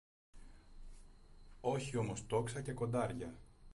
όχι όμως τόξα και κοντάρια.